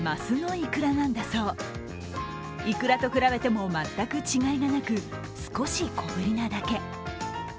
イクラと比べても全く違いがなく、少し小ぶりなだけ。